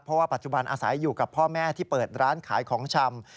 เพราะว่าปัจจุบันอาศัยอยู่กับพ่อแม่ที่เปิดร้านขายของชำ